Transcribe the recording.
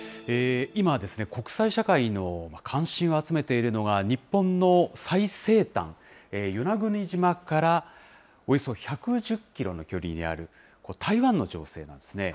今、国際社会の関心を集めているのが、日本の最西端、与那国島からおよそ１１０キロの距離にある台湾の情勢ですね。